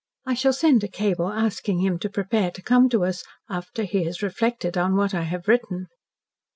I shall send a cable asking him to prepare to come to us after he has reflected on what I have written."